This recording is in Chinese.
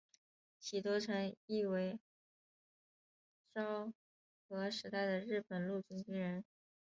喜多诚一为昭和时代的日本陆军军人。